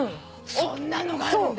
そんなのがあるんだ。